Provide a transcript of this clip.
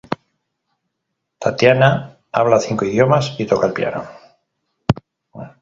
Tatiana habla cinco idiomas y toca el piano.